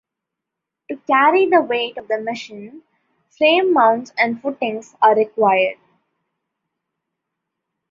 To carry the weight of the machine, "frame mounts" and "footings" are required.